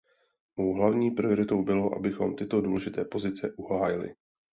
Mou hlavní prioritou bylo, abychom tyto důležité pozice uhájili.